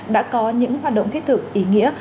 đã có những hoạt động thiết thực ý nghĩa